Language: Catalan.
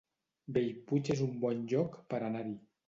Bellpuig es un bon lloc per anar-hi